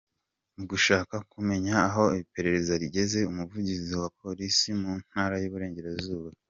Mu gushaka kumenya aho iperereza rigeze, Umuvugizi wa Polisi mu Ntara y’Iburengerazuba,